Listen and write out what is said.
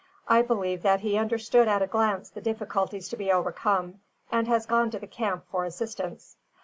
I believe that he understood at a glance the difficulties to be overcome, and has gone to the camp for assistance."